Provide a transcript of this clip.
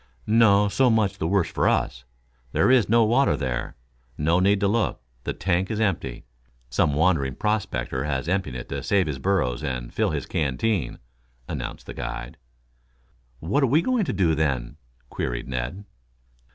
"No; so much the worse for us! There is no water there. No need to look. The tank is empty. Some wandering prospector has emptied it to save his burros and fill his canteen," announced the guide. "What are we going to do, then!" queried Ned.